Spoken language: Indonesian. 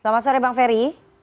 selamat sore bang ferry